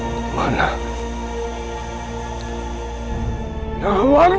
siapa senang ditemani ini